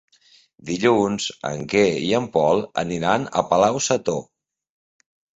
Dilluns en Quer i en Pol aniran a Palau-sator.